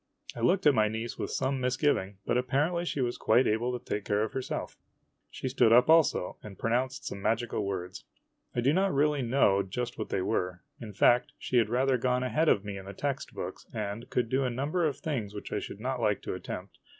I looked at my niece with some misgiving, but apparently she was quite able to take care of herself. She stood up also, and pro THE ASTROLOGER S NIECE MARRIES 105 nounced some magical words. I do not really know just what they were. In fact, she had rather gone ahead of me in the text books, and could do a number of things which I should not like to attempt.